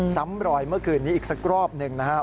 ซ้ำรอยเมื่อคืนนี้อีกสักรอบหนึ่งนะครับ